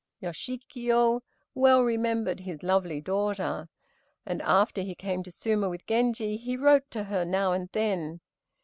Yoshikiyo well remembered his lovely daughter, and, after he came to Suma with Genji, he wrote to her now and then.